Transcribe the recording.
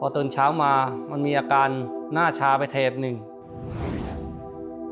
ตอนเช้ามามีอาการหน้าชาไปทาเท็บ๑